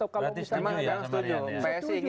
berarti setima tima saya setuju